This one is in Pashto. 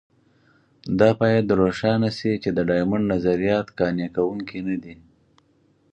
دا باید روښانه شي چې د ډایمونډ نظریات قانع کوونکي نه دي.